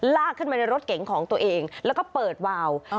ลากขึ้นมาในรถเก๋งของตัวเองแล้วก็เปิดวาว